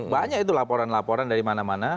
banyak itu laporan laporan dari mana mana